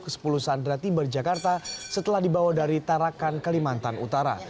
ke sepuluh sandera tiba di jakarta setelah dibawa dari tarakan kalimantan utara